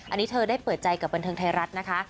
อันนี้เธอได้เปิดใจกับบันเทิงไทยรัฐนะคะ